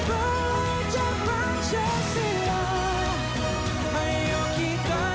kau sudah sampai llegi desa